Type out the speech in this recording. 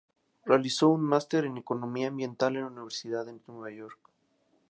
Realizó un máster en Economía Ambiental en la Universidad de York.